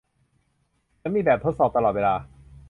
เหมือนมีแบบทดสอบตลอดเวลา